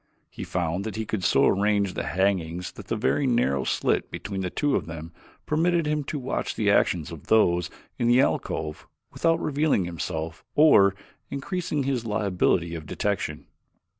He found he could so arrange the hangings that a very narrow slit between two of them permitted him to watch the actions of those in the alcove without revealing himself or increasing his liability of detection.